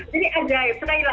lebih ajaib apa artinya